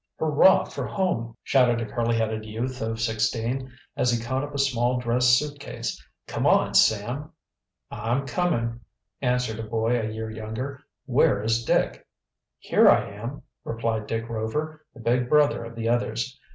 "Hurrah for home!" shouted a curly headed youth of sixteen, as he caught up a small dress suit case. "Come on, Sam." "I'm coming, Tom," answered a boy a year younger. "Where is Dick?" "Here I am," replied Dick Rover, the big brother of the others.